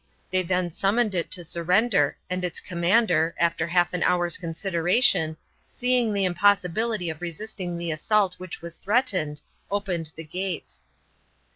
They then summoned it to surrender, and its commander, after half an hour's consideration, seeing the impossibility of resisting the assault which was threatened, opened the gates.